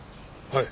はい。